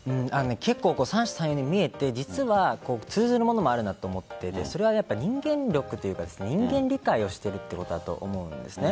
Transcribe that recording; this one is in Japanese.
結構、三者三様に見えて実は通ずるものもあるなと思ってそれは人間力というか人間理解をしているということだと思うんです。